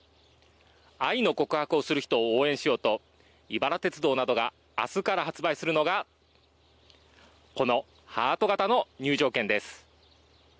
愛の告白をする人を応援しようと井原鉄道などがあすから発売するのがこのハート型の入場券です。